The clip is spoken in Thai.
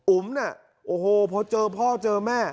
อุ๋มน่ะโอ้โฮเพราะเจอพ่อเจอแม่